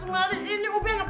ubi enak banget